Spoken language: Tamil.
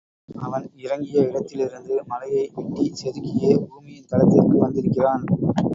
அவன் இறங்கிய இடத்திலிருந்து மலையை வெட்டிச் செதுக்கியே பூமியின் தளத்திற்கு வந்திருக்கிறான்.